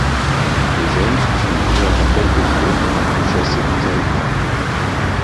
Les jeunes sont nourris encore quelques jours puis chassés du territoire.